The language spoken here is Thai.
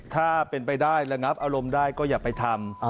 ถ้าเป็นไปได้ระงับอารมณ์ได้ก็อย่าไปทำ